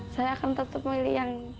saya akan tetap memilih yang